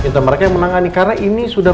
kita mereka yang menangani karena ini sudah